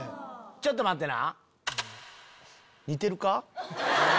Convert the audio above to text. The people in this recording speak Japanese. ちょっと待ってな。